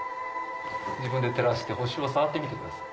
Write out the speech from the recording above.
自分で照らして星を触ってみてください。